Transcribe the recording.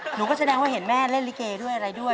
หนูก็แสดงว่าเห็นแม่เล่นลิเกด้วยอะไรด้วย